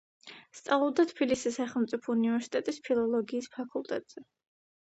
სწავლობდა თბილისის სახელმწიფო უნივერსიტეტის ფილოლოგიის ფაკულტეტზე.